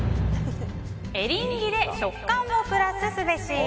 エリンギで食感をプラスすべし。